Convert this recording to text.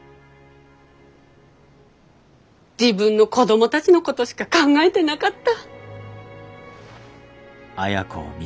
自分の子供たちのことしか考えてなかった。